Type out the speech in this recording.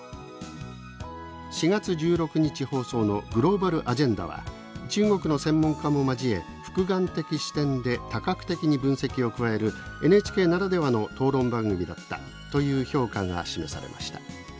４月１６日放送の『ＧＬＯＢＡＬＡＧＥＮＤＡ』は中国の専門家も交え複眼的視点で多角的に分析を加えるＮＨＫならではの討論番組だった」という評価が示されました。